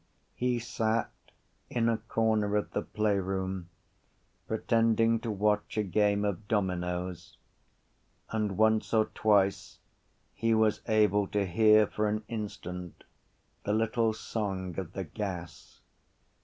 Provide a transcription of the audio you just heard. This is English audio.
He sat in a corner of the playroom pretending to watch a game of dominos and once or twice he was able to hear for an instant the little song of the gas.